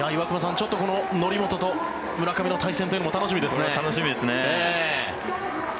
ちょっとこの則本と村上の対戦というのも楽しみですね。